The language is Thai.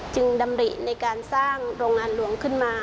ดำริในการสร้างโรงงานหลวงขึ้นมา